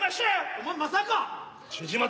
お前まさか⁉辻本。